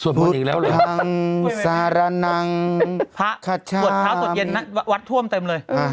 อ๋อสวดมนต์พุทธภังสารนังพระขชาวสวดเย็นวัดท่วมเต็มเลย